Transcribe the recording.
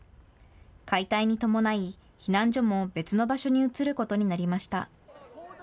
解体に伴い、避難所も別の場所に移ることになりました。